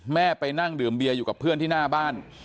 ไปนั่งดื่มเบียอยู่กับเพื่อนที่หน้าบ้าน